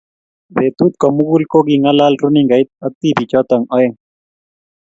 Betu komugul ko kingalal runingait ak tibiik choto oeng